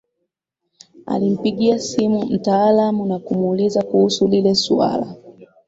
Alimpigia simu mtaalamu na kumuuliza kuhusu lile suala